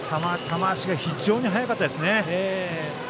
球足が非常に速かったです。